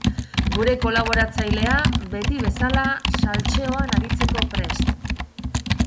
Gure kolaboratzailea, beti bezala, saltseoan aritzeko prest.